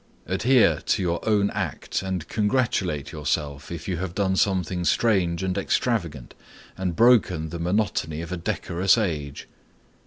Adhere to your own act, and congratulate yourself if you have done something strange and extravagant and broken the monotony of a decorous age.